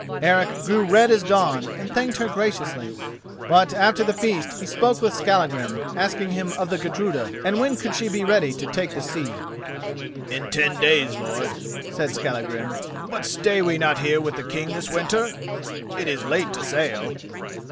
Eric grew red as dawn, and thanked her graciously; but after the feast he spoke with Skallagrim, asking him of the Gudruda, and when she could be ready to take the sea. "In ten days, lord," said Skallagrim; "but stay we not here with the King this winter? It is late to sail."